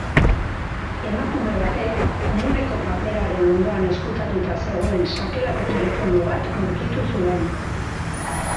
Emakume batek komuneko paperaren ondoan ezkutatuta zegoen sakelako telefono bat aurkitu zuen.